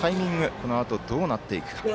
このあと、どうなっていくか。